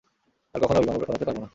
আর কখনো বিমান উড়াতে পারবো না।